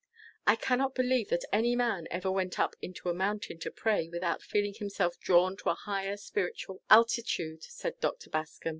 "I can not believe that any man ever went up into a mountain to pray without feeling himself drawn to a higher spiritual altitude," said Dr. Bascom.